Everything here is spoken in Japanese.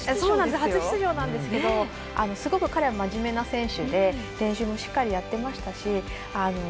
初出場なんですがすごく彼は真面目な選手で練習もしっかりやっていましたし。